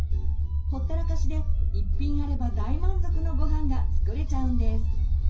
ほったらかしで１品あれば大満足のごはんが作れちゃうんです。